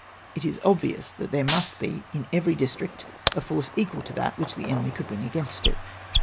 It is obvious that there must l^e in every district a force equal to that which the enemy could bring against it.